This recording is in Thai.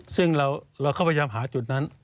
ซึ่งเราก็พยายามหาจุดนั้น